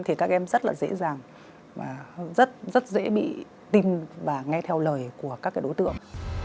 thì các em rất là dễ dàng và rất rất dễ bị tin và nghe theo lời của các đối tượng